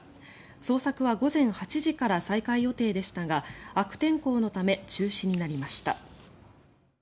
捜索は午前８時から再開予定でしたが悪天候のため中止になりました。